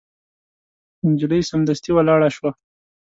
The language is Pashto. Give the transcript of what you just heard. نجلۍ سمدستي ولاړه شوه.